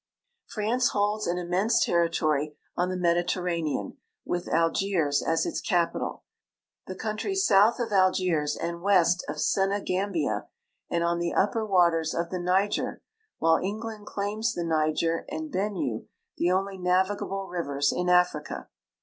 France holds an immense territory on the Mediterranean, Avith Algiers as its capital, the country south of Algiers and Avest of Senegarnbia, and on the upper Avaters of the Niger, AA'hile England claims the Niger and Benue, the onl}^ navigable rivers in Africa.